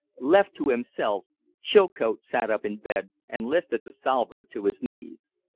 Left to himself, Chilcote sat up in bed and lifted the salver to his knees.